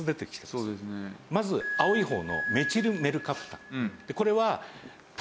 まず青い方のメチルメルカプタン。